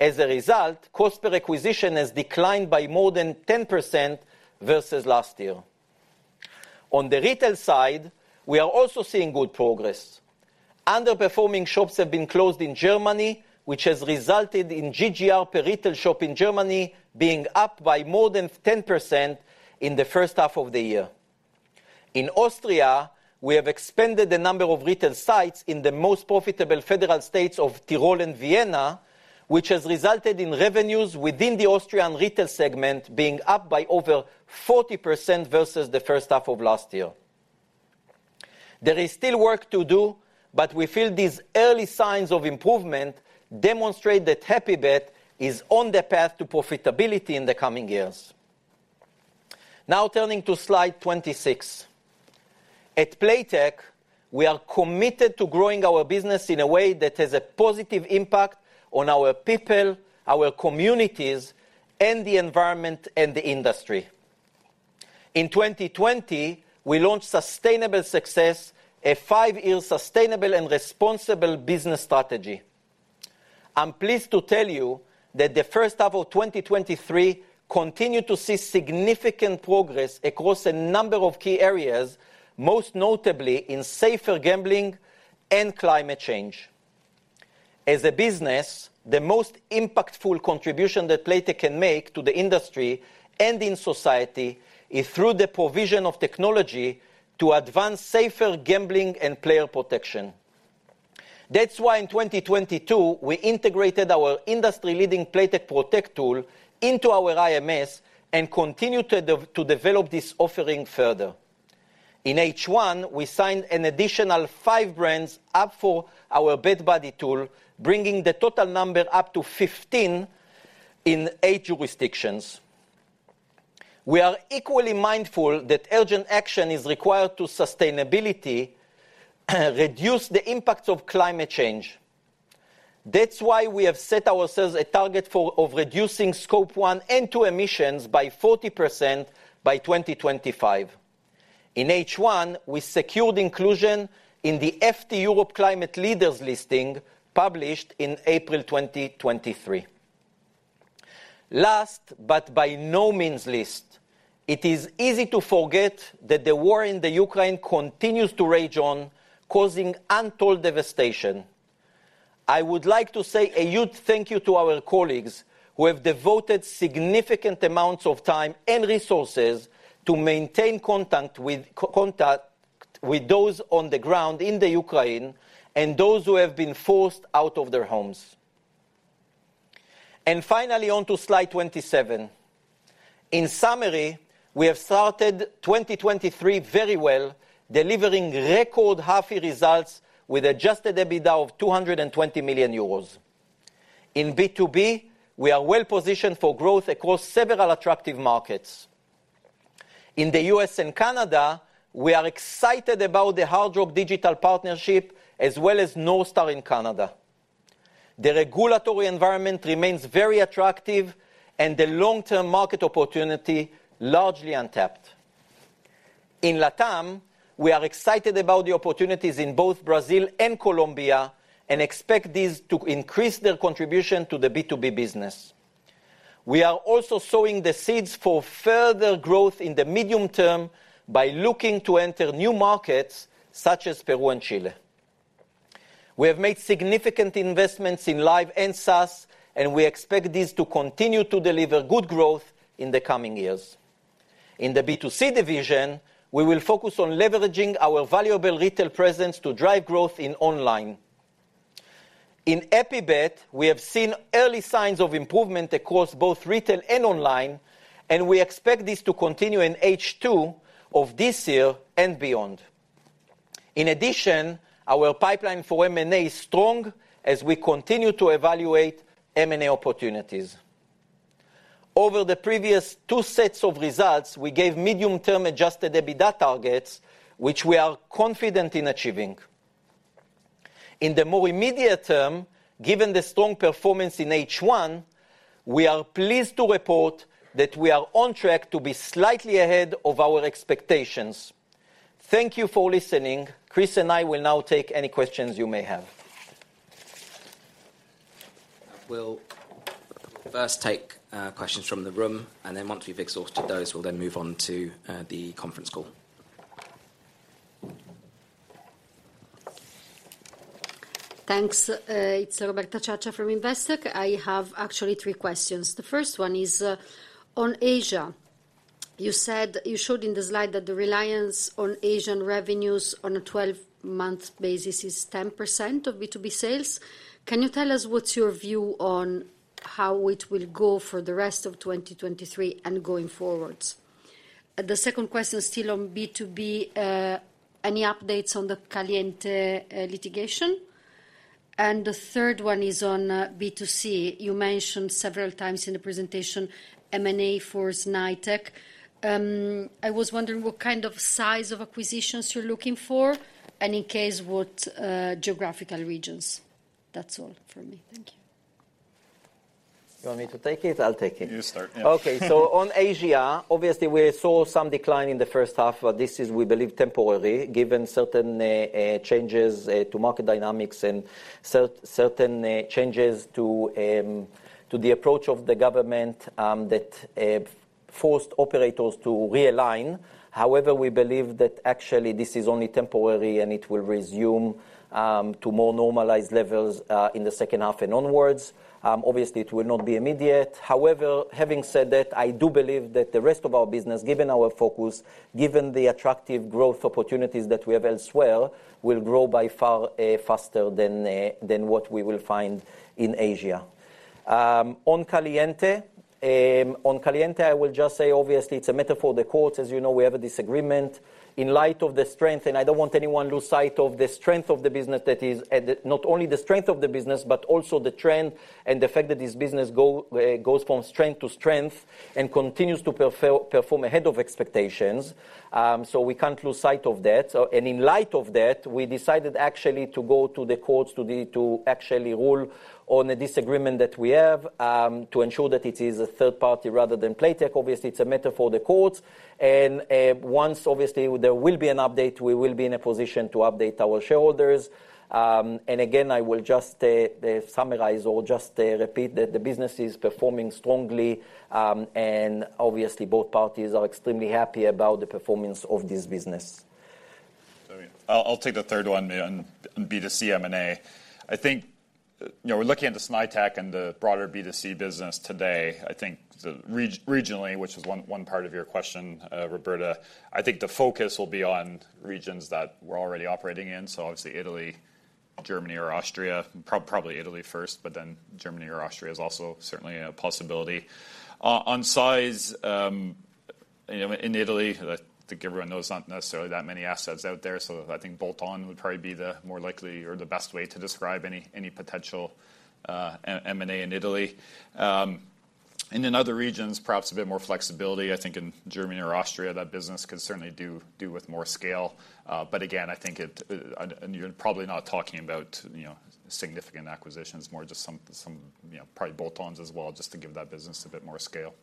As a result, cost per acquisition has declined by more than 10% versus last year. On the retail side, we are also seeing good progress. Underperforming shops have been closed in Germany, which has resulted in GGR per retail shop in Germany being up by more than 10% in the first half of the year. In Austria, we have expanded the number of retail sites in the most profitable federal states of Tyrol and Vienna, which has resulted in revenues within the Austrian retail segment being up by over 40% versus the first half of last year. There is still work to do, but we feel these early signs of improvement demonstrate that HappyBet is on the path to profitability in the coming years. Now turning to slide 26. At Playtech, we are committed to growing our business in a way that has a positive impact on our people, our communities, and the environment, and the industry. In 2020, we launched Sustainable Success, a five-year sustainable and responsible business strategy. I'm pleased to tell you that the first half of 2023 continued to see significant progress across a number of key areas, most notably in safer gambling and climate change. As a business, the most impactful contribution that Playtech can make to the industry and in society is through the provision of technology to advance safer gambling and player protection. That's why in 2022, we integrated our industry-leading Playtech Protect tool into our IMS and continued to develop this offering further. In H1, we signed an additional five brands up for our BetBuddy tool, bringing the total number up to 15 in eight jurisdictions. We are equally mindful that urgent action is required to sustainability, reduce the impacts of climate change. That's why we have set ourselves a target for, of reducing Scope 1 and 2 emissions by 40% by 2025. In H1, we secured inclusion in the FT Europe Climate Leaders listing, published in April 2023. Last, but by no means least, it is easy to forget that the war in the Ukraine continues to rage on, causing untold devastation. I would like to say a huge thank you to our colleagues who have devoted significant amounts of time and resources to maintain contact with those on the ground in the Ukraine, and those who have been forced out of their homes. And finally, on to slide 27. In summary, we have started 2023 very well, delivering record half-year results with adjusted EBITDA of 220 million euros. In B2B, we are well positioned for growth across several attractive markets. In the U.S. and Canada, we are excited about the Hard Rock Digital partnership, as well as NorthStar in Canada. The regulatory environment remains very attractive, and the long-term market opportunity, largely untapped. In LATAM, we are excited about the opportunities in both Brazil and Colombia, and expect these to increase their contribution to the B2B business. We are also sowing the seeds for further growth in the medium term by looking to enter new markets such as Peru and Chile. We have made significant investments in live and SaaS, and we expect these to continue to deliver good growth in the coming years. In the B2C division, we will focus on leveraging our valuable retail presence to drive growth in online. In HAPPYBET, we have seen early signs of improvement across both retail and online, and we expect this to continue in H2 of this year and beyond. In addition, our pipeline for M&A is strong as we continue to evaluate M&A opportunities. Over the previous two sets of results, we gave medium-term Adjusted EBITDA targets, which we are confident in achieving. In the more immediate term, given the strong performance in H1, we are pleased to report that we are on track to be slightly ahead of our expectations. Thank you for listening. Chris and I will now take any questions you may have. We'll first take questions from the room, and then once we've exhausted those, we'll then move on to the conference call. Thanks. It's Roberta Ciaccia from Investec. I have actually three questions. The first one is on Asia. You said you showed in the slide that the reliance on Asian revenues on a 12-month basis is 10% of B2B sales. Can you tell us what's your view on how it will go for the rest of 2023 and going forwards? The second question, still on B2B, any updates on the Caliente litigation? And the third one is on B2C. You mentioned several times in the presentation M&A for Snaitech. I was wondering what kind of size of acquisitions you're looking for, and in case, what geographical regions. That's all from me. Thank you. You want me to take it? I'll take it. You start, yeah. Okay. So on Asia, obviously, we saw some decline in the first half, but this is, we believe, temporarily, given certain changes to market dynamics and certain changes to the approach of the government that forced operators to realign. However, we believe that actually this is only temporary, and it will resume to more normalized levels in the second half and onwards. Obviously, it will not be immediate. However, having said that, I do believe that the rest of our business, given our focus, given the attractive growth opportunities that we have elsewhere, will grow by far faster than what we will find in Asia. On Caliente, I will just say, obviously, it's a matter for the courts. As, we have a disagreement. In light of the strength, and I don't want anyone lose sight of the strength of the business that is not only the strength of the business, but also the trend and the fact that this business goes from strength to strength and continues to perform ahead of expectations. So we can't lose sight of that. So, and in light of that, we decided actually to go to the courts to actually rule on the disagreement that we have to ensure that it is a third party rather than Playtech. Obviously, it's a matter for the courts, and once obviously there will be an update, we will be in a position to update our shareholders. And again, I will just summarize or just repeat that the business is performing strongly. Obviously both parties are extremely happy about the performance of this business. I mean, I'll take the third one, on B2C M&A. I think we're looking into Snaitech and the broader B2C business today. I think regionally, which is one part of your question, Roberta, I think the focus will be on regions that we're already operating in, so obviously Italy, Germany, or Austria. Probably Italy first, but then Germany or Austria is also certainly a possibility. On size in Italy, I think everyone knows not necessarily that many assets out there, so I think bolt-on would probably be the more likely or the best way to describe any potential M&A in Italy. And in other regions, perhaps a bit more flexibility. I think in Germany or Austria, that business could certainly do with more scale, but again, I think it... You're probably not talking about significant acquisitions, more just some probably bolt-ons as well, just to give that business a bit more scale.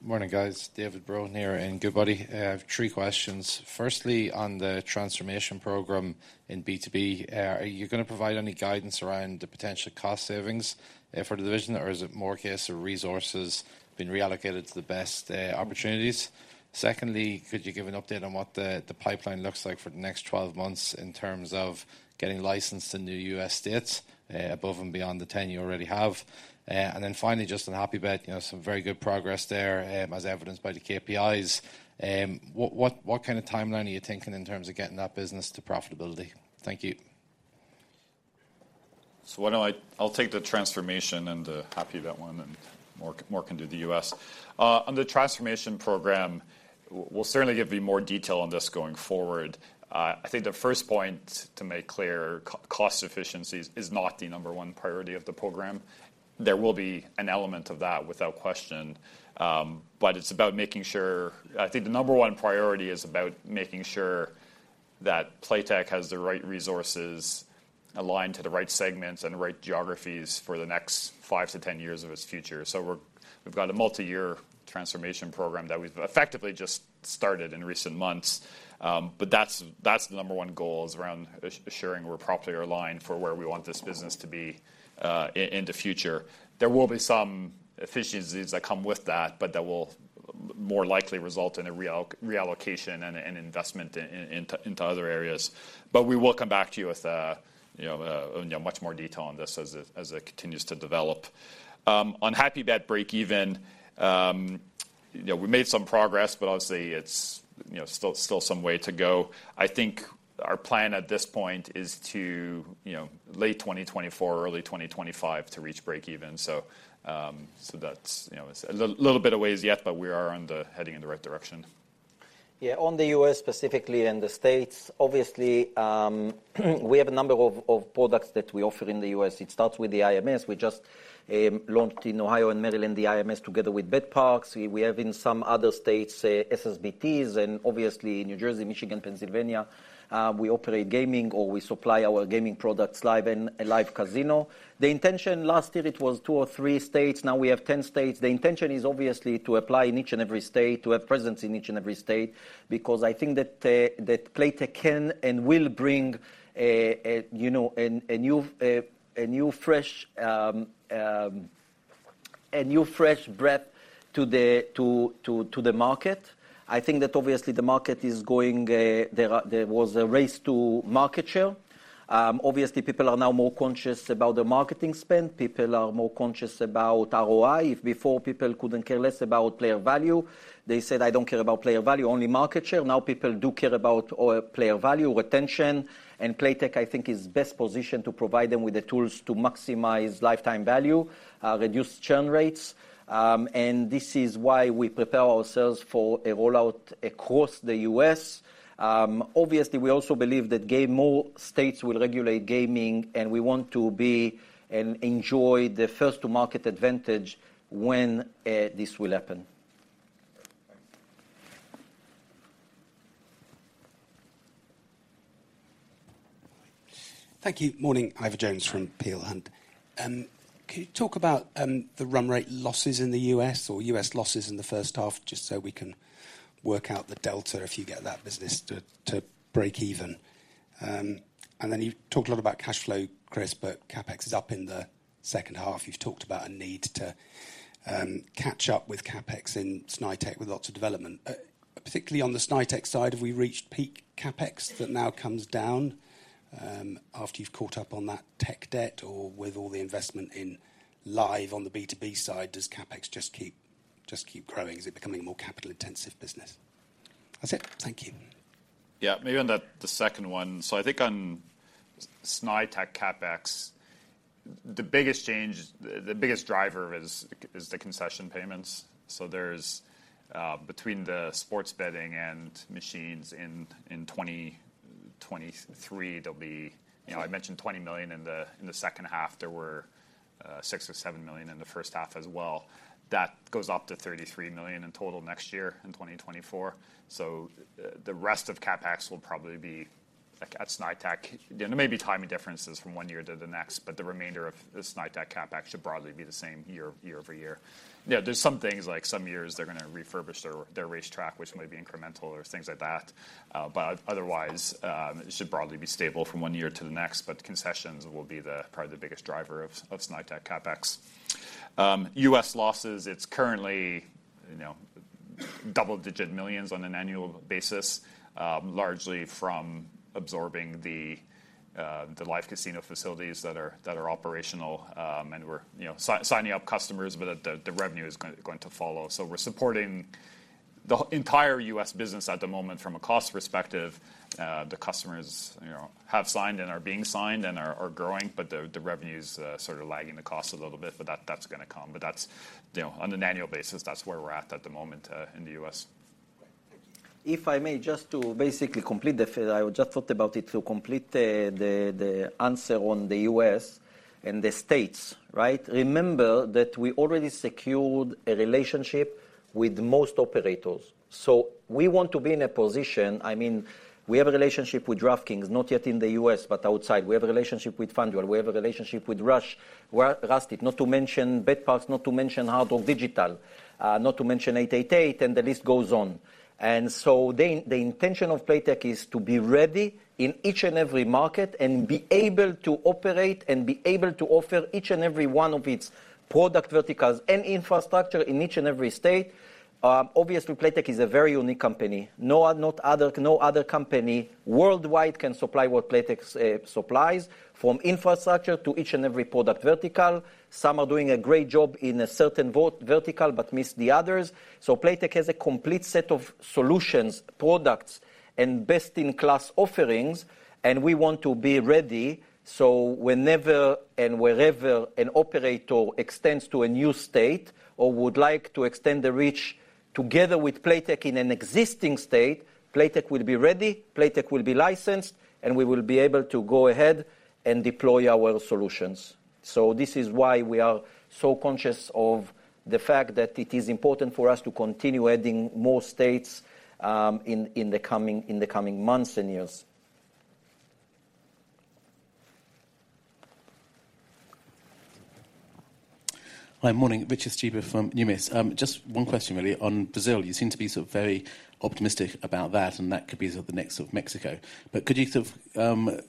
Morning, guys. David Brohan here and Goodbody. I have three questions. Firstly, on the transformation program in B2B, are you gonna provide any guidance around the potential cost savings for the division, or is it more a case of resources being reallocated to the best opportunities? Secondly, could you give an update on what the pipeline looks like for the next 12 months in terms of getting licensed in the U.S. states above and beyond the 10 you already have? And then finally, just on happybet some very good progress there, as evidenced by the KPIs. What kind of timeline are you thinking in terms of getting that business to profitability? Thank you. So why don't I... I'll take the transformation and the HAPPYBET one, and Mor can do the U.S. On the transformation program, we'll certainly give you more detail on this going forward. I think the first point to make clear, cost efficiencies is not the number one priority of the program. There will be an element of that, without question, but it's about making sure... I think the number one priority is about making sure that Playtech has the right resources aligned to the right segments and the right geographies for the next five to ten years of its future. So we've got a multi-year transformation program that we've effectively just started in recent months, but that's the number one goal is around assuring we're properly aligned for where we want this business to be in the future. There will be some efficiencies that come with that, but that will more likely result in a reallocation and investment into other areas. But we will come back to you with much more detail on this as it continues to develop. On HAPPYBET breakeven we made some progress, but obviously it's still some way to go. I think our plan at this point is to late 2024 or early 2025 to reach breakeven. So that's it's a little bit a ways yet, but we are on the heading in the right direction. Yeah, on the U.S. specifically and the states, obviously, we have a number of, of products that we offer in the U.S. It starts with the IMS. We just launched in Ohio and Maryland, the IMS, together with betPARKS. We, we have in some other states, SSBTs, and obviously in New Jersey, Michigan, Pennsylvania, we operate gaming or we supply our gaming products, Live and Live Casino. The intention last year it was two or three states, now we have 10 states. The intention is obviously to apply in each and every state, to have presence in each and every state, because I think that, that Playtech can and will bring new fresh breath to the market. I think that obviously the market is going. There was a race to market share. Obviously, people are now more conscious about the marketing spend. People are more conscious about ROI. If before people couldn't care less about player value, they said, "I don't care about player value, only market share." Now, people do care about all player value, retention, and Playtech, I think, is best positioned to provide them with the tools to maximize lifetime value, reduce churn rates, and this is why we prepare ourselves for a rollout across the U.S. Obviously, we also believe that more states will regulate gaming, and we want to be and enjoy the first to market advantage when this will happen. Thanks. Thank you. Morning, Ivor Jones from Peel Hunt. Can you talk about the run rate losses in the U.S. or U.S. losses in the first half, just so we can work out the delta, if you get that business to breakeven? And then you've talked a lot about cash flow, Chris, but CapEx is up in the second half. You've talked about a need to catch up with CapEx in Snaitech with lots of development. Particularly on the Snaitech side, have we reached peak CapEx that now comes down after you've caught up on that tech debt, or with all the investment in live on the B2B side, does CapEx just keep growing? Is it becoming a more capital-intensive business? That's it. Thank you. Yeah, maybe on the second one. So I think on Snaitech CapEx, the biggest change, the biggest driver is the concession payments. So there's between the sports betting and machines in 2023, there'll be- Yeah..., I mentioned 20 million in the second half, there were 6 or 7 million in the first half as well. That goes up to 33 million in total next year, in 2024. So the rest of CapEx will probably be, like, at Snaitech. There may be timing differences from one year to the next, but the remainder of the Snaitech CapEx should broadly be the same year-over-year. Yeah, there's some things, like some years they're gonna refurbish their racetrack, which might be incremental or things like that, but otherwise, it should broadly be stable from one year to the next, but concessions will be probably the biggest driver of Snaitech CapEx. U.S. losses, it's currently $10 million-$99 million on an annual basis, largely from absorbing the the live casino facilities that are operational, and we're signing up customers, but the revenue is going to follow. So we're supporting the entire U.S. business at the moment from a cost perspective. The customers have signed and are being signed and are growing, but the revenue is sort of lagging the cost a little bit, but that's gonna come. But that's on an annual basis, that's where we're at at the moment in the U.S. Great. Thank you. If I may, just to basically complete the phrase, I just thought about it, to complete the answer on the U.S. and the states, right? Remember that we already secured a relationship with most operators, so we want to be in a position. I mean, we have a relationship with DraftKings, not yet in the U.S., but outside. We have a relationship with FanDuel, we have a relationship with Rush Street, not to mention betPARKS, not to mention Hard Rock Digital, not to mention 888, and the list goes on. And so the intention of Playtech is to be ready in each and every market, and be able to operate, and be able to offer each and every one of its product verticals and infrastructure in each and every state. Obviously, Playtech is a very unique company. No, no other company worldwide can supply what Playtech's supplies, from infrastructure to each and every product vertical. Some are doing a great job in a certain vertical, but miss the others. So Playtech has a complete set of solutions, products, and best-in-class offerings, and we want to be ready, so whenever and wherever an operator extends to a new state, or would like to extend the reach, together with Playtech in an existing state, Playtech will be ready, Playtech will be licensed, and we will be able to go ahead and deploy our solutions. So this is why we are so conscious of the fact that it is important for us to continue adding more states, in the coming months and years. Hi, morning. Richard Stuber from Numis. Just one question, really. On Brazil, you seem to be sort of very optimistic about that, and that could be sort of the next of Mexico. But could you sort of,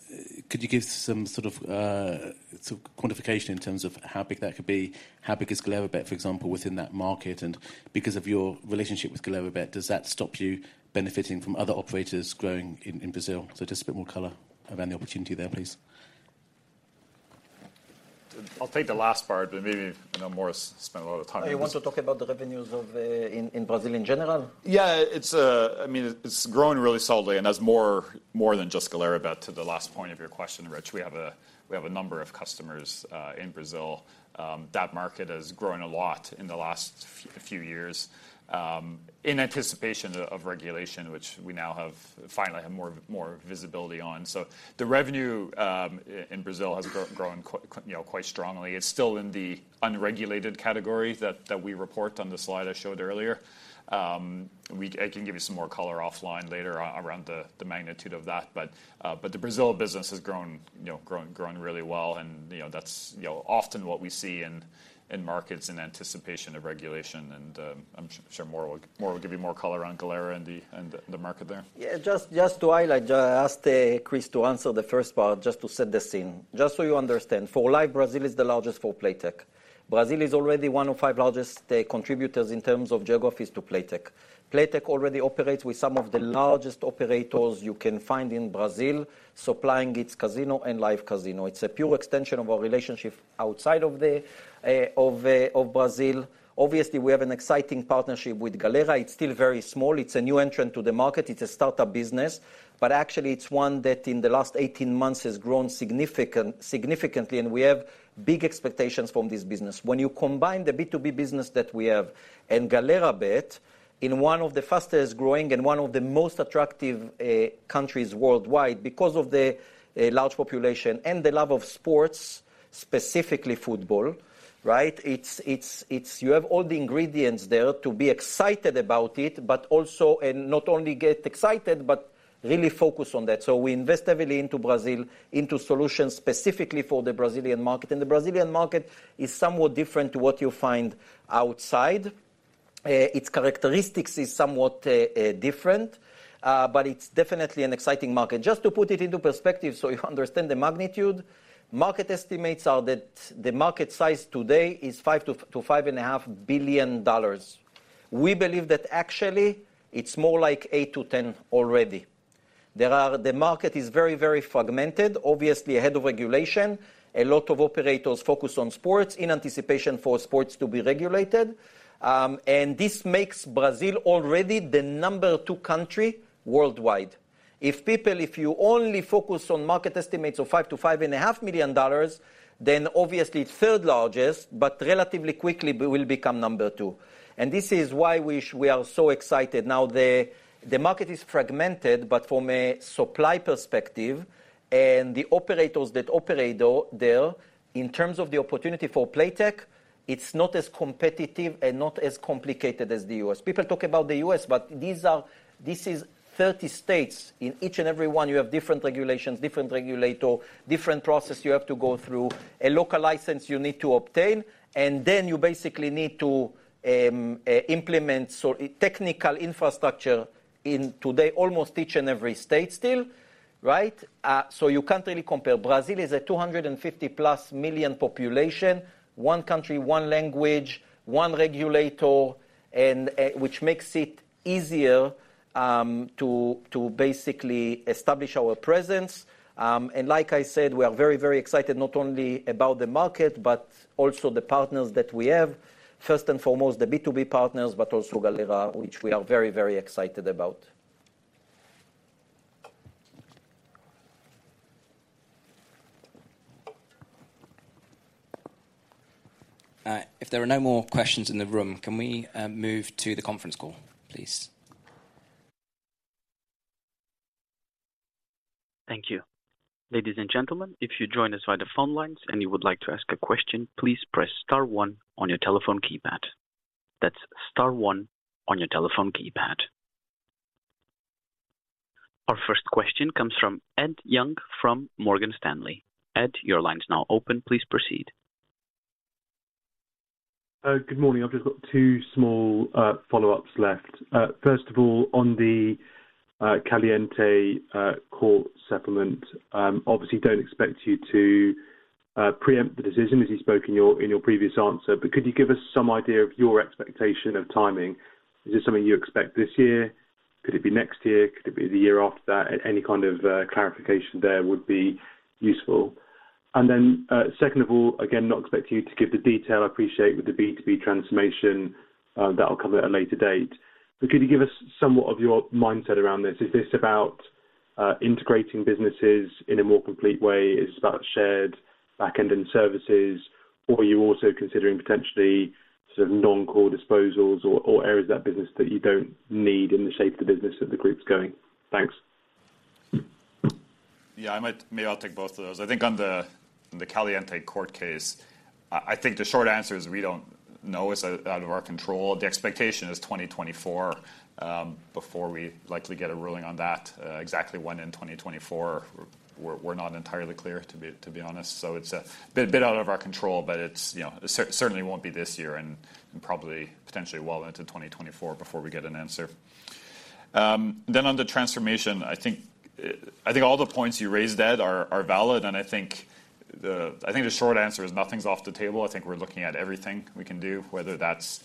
could you give some sort of, sort of quantification in terms of how big that could be? How big is Galera.bet, for example, within that market? And because of your relationship with Galera.bet, does that stop you benefiting from other operators growing in, in Brazil? So just a bit more color around the opportunity there, please. I'll take the last part, but maybe Mor spent a lot of time on this. You want to talk about the revenues in Brazil in general? Yeah, it's... I mean, it's growing really solidly, and that's more than just Galera.bet, to the last point of your question, Rich. We have a number of customers in Brazil. That market has grown a lot in the last few years in anticipation of regulation, which we now finally have more visibility on. So the revenue in Brazil has grown quite quite strongly. It's still in the unregulated category that we report on the slide I showed earlier. I can give you some more color offline later around the magnitude of that, but the Brazil business has grown grown really well, and that's often what we see in markets in anticipation of regulation. I'm sure Mor will give you more color on Galera and the market there. Yeah, just to highlight, I asked Chris to answer the first part, just to set the scene. Just so you understand, for Live, Brazil is the largest for Playtech. Brazil is already one of five largest contributors in terms of geographies to Playtech. Playtech already operates with some of the largest operators you can find in Brazil, supplying its casino and live casino. It's a pure extension of our relationship outside of the of Brazil. Obviously, we have an exciting partnership with Galera. It's still very small. It's a new entrant to the market. It's a start-up business, but actually it's one that, in the last 18 months, has grown significantly, and we have big expectations from this business. When you combine the B2B business that we have and Galera.bet, in one of the fastest growing and one of the most attractive countries worldwide, because of the large population and the love of sports, specifically football, right? You have all the ingredients there to be excited about it, but also, and not only get excited, but really focused on that. So we invest heavily into Brazil, into solutions specifically for the Brazilian market. And the Brazilian market is somewhat different to what you find outside. Its characteristics is somewhat different, but it's definitely an exciting market. Just to put it into perspective, so you understand the magnitude, market estimates are that the market size today is $5-$5.5 billion. We believe that actually it's more like $8-$10 billion already. The market is very, very fragmented, obviously ahead of regulation. A lot of operators focus on sports in anticipation for sports to be regulated. And this makes Brazil already the number two country worldwide. If people, if you only focus on market estimates of $5-$5.5 million, then obviously it's third largest, but relatively quickly, we will become number two. And this is why we are so excited. Now, the market is fragmented, but from a supply perspective and the operators that operate there, in terms of the opportunity for Playtech, it's not as competitive and not as complicated as the U.S. People talk about the U.S., but these are—this is 30 states. In each and every one, you have different regulations, different regulator, different process you have to go through, a local license you need to obtain, and then you basically need to implement so technical infrastructure in today, almost each and every state still, right? So you can't really compare. Brazil is a 250+ million population, one country, one language, one regulator, and which makes it easier to basically establish our presence. And like I said, we are very, very excited, not only about the market, but also the partners that we have. First and foremost, the B2B partners, but also Galera, which we are very, very excited about. If there are no more questions in the room, can we move to the conference call, please? Thank you. Ladies and gentlemen, if you join us via the phone lines and you would like to ask a question, please press star one on your telephone keypad. That's star one on your telephone keypad. Our first question comes from Ed Young, from Morgan Stanley. Ed, your line is now open. Please proceed. Good morning. I've just got two small follow-ups left. First of all, on the Caliente court settlement, obviously, don't expect you to preempt the decision as you spoke in your previous answer, but could you give us some idea of your expectation of timing? Is this something you expect this year? Could it be next year? Could it be the year after that? Any kind of clarification there would be useful. And then, second of all, again, not expect you to give the detail. I appreciate with the B2B transformation that will cover at a later date. But could you give us somewhat of your mindset around this? Is this about integrating businesses in a more complete way? Is this about shared back-end services, or are you also considering potentially sort of non-core disposals or areas of that business that you don't need in the shape of the business that the group's going? Thanks. Yeah, maybe I'll take both of those. I think on the Caliente court case, I think the short answer is we don't know. It's out of our control. The expectation is 2024 before we likely get a ruling on that. Exactly when in 2024, we're not entirely clear, to be honest. So it's a bit out of our control, but it's it certainly won't be this year and probably potentially well into 2024 before we get an answer. Then on the transformation, I think all the points you raised, Ed, are valid, and I think the short answer is nothing's off the table. I think we're looking at everything we can do, whether that's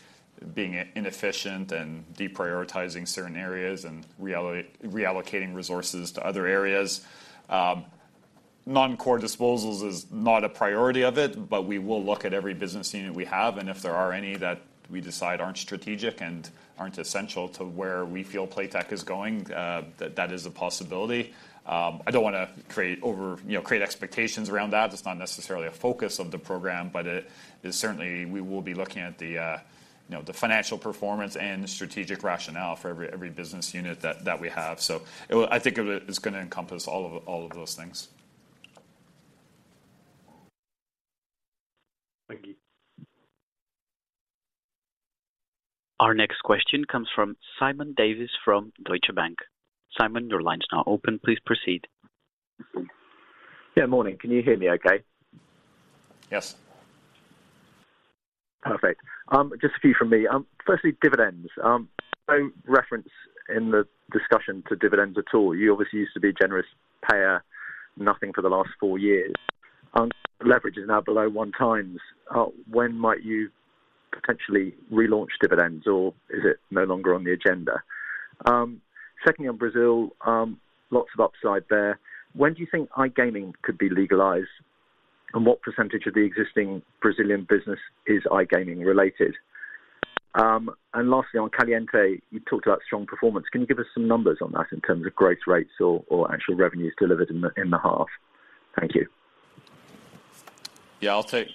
being inefficient and deprioritizing certain areas and reallocating resources to other areas. Non-core disposals is not a priority of it, but we will look at every business unit we have, and if there are any that we decide aren't strategic and aren't essential to where we feel Playtech is going, that, that is a possibility. I don't wanna create over..., create expectations around that. It's not necessarily a focus of the program, but it, it certainly we will be looking at the the financial performance and strategic rationale for every, every business unit that, that we have. So it will—I think it, it's gonna encompass all of, all of those things. Thank you. Our next question comes from Simon Davies, from Deutsche Bank. Simon, your line is now open. Please proceed. Yeah, morning. Can you hear me okay? Yes. Perfect. Just a few from me. Firstly, dividends. No reference in the discussion to dividends at all. You obviously used to be a generous payer, nothing for the last four years. Leverage is now below 1 times. When might you potentially relaunch dividends, or is it no longer on the agenda? Secondly, on Brazil, lots of upside there. When do you think iGaming could be legalized? And what percentage of the existing Brazilian business is iGaming related? And lastly, on Caliente, you talked about strong performance. Can you give us some numbers on that in terms of growth rates or actual revenues delivered in the half? Thank you. Yeah, I'll take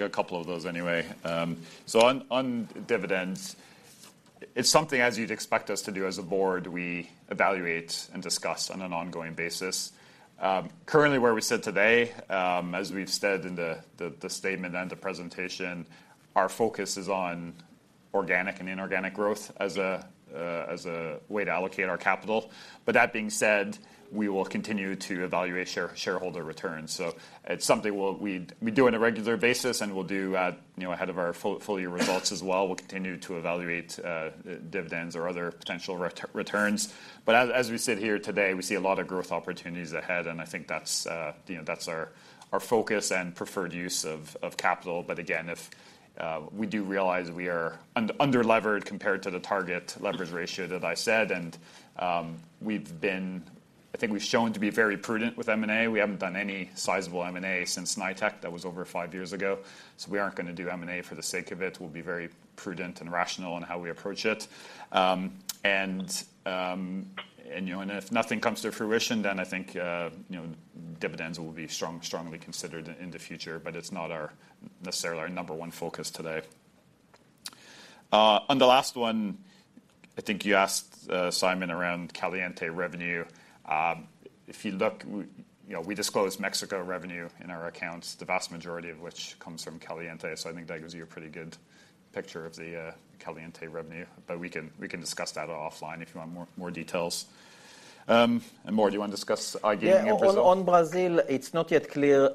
a couple of those anyway. So on dividends, it's something as you'd expect us to do as a board, we evaluate and discuss on an ongoing basis. Currently, where we sit today, as we've said in the statement and the presentation, our focus is on organic and inorganic growth as a way to allocate our capital. But that being said, we will continue to evaluate shareholder returns. So it's something we'll do on a regular basis and we'll do ahead of our full year results as well. We'll continue to evaluate dividends or other potential returns. But as we sit here today, we see a lot of growth opportunities ahead, and I think that's that's our focus and preferred use of capital. But again, if we do realize we are underlevered compared to the target leverage ratio that I said, and, I think we've shown to be very prudent with M&A. We haven't done any sizable M&A since Snaitech, that was over five years ago. So we aren't gonna do M&A for the sake of it. We'll be very prudent and rational in how we approach it. and and if nothing comes to fruition, then I think dividends will be strongly considered in the future, but it's not our, necessarily our number one focus today. On the last one, I think you asked, Simon, around Caliente revenue. If you look we disclose Mexico revenue in our accounts, the vast majority of which comes from Caliente, so I think that gives you a pretty good picture of the Caliente revenue. But we can, we can discuss that offline if you want more, more details. And Mor, do you want to discuss iGaming in Brazil? Yeah, on Brazil, it's not yet clear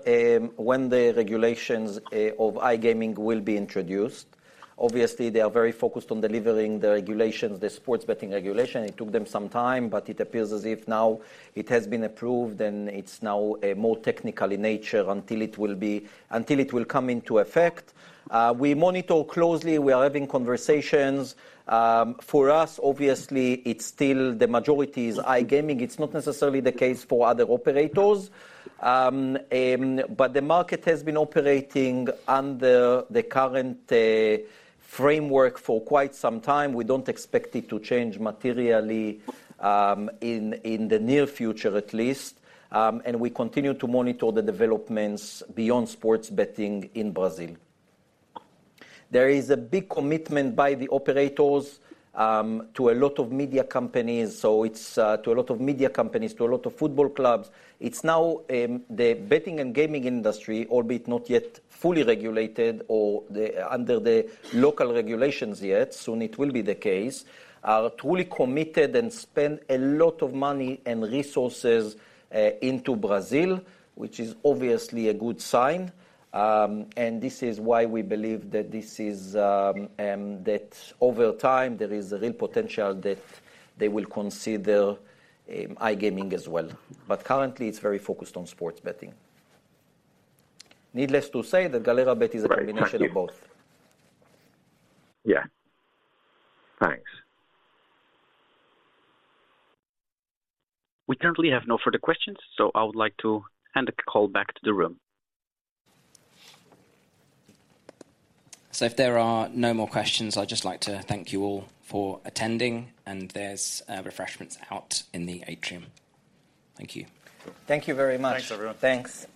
when the regulations of iGaming will be introduced. Obviously, they are very focused on delivering the regulations, the sports betting regulation. It took them some time, but it appears as if now it has been approved and it's now more technical in nature until it will come into effect. We monitor closely. We are having conversations. For us, obviously, it's still the majority is iGaming. It's not necessarily the case for other operators. But the market has been operating under the current framework for quite some time. We don't expect it to change materially in the near future, at least. And we continue to monitor the developments beyond sports betting in Brazil. There is a big commitment by the operators to a lot of media companies, so it's to a lot of media companies, to a lot of football clubs. It's now the betting and gaming industry, albeit not yet fully regulated or under the local regulations yet; soon it will be the case. They are truly committed and spend a lot of money and resources into Brazil, which is obviously a good sign. And this is why we believe that this is that over time, there is a real potential that they will consider iGaming as well. But currently, it's very focused on sports betting. Needless to say, that Galera.bet is a combination of both. Great. Thank you. Yeah, thanks. We currently have no further questions, so I would like to hand the call back to the room. So if there are no more questions, I'd just like to thank you all for attending, and there's refreshments out in the atrium. Thank you. Thank you very much. Thanks, everyone. Thanks.